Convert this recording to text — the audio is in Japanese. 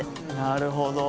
なるほど。